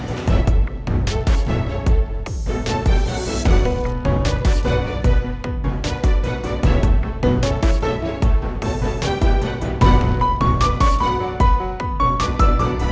kayaknya gue mau ke toilet deh ki